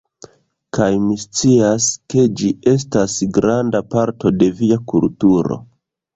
Kaj mi scias, ke ĝi estas granda parto de via kulturo